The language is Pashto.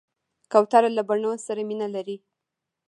کوتره له بڼو سره مینه لري.